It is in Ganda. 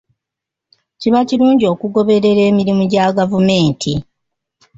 Kiba kirungi okugoberera emirimu gya gavumenti.